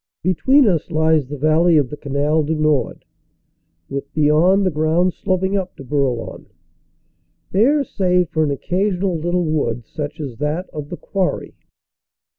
Between us lies the valley of the Canal du Nord, with beyond the ground sloping up to Bourlon, bare save for an occasional little wood, such as that of the Quarry.